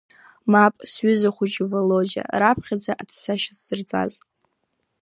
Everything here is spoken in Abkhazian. Мап, сҩыза хәыҷы Володиа, раԥхьаӡа аӡсашьа сзырҵаз…